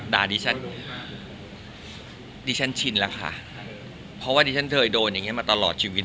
ดิฉันดิฉันชินแล้วค่ะเพราะว่าดิฉันเคยโดนอย่างเงี้มาตลอดชีวิต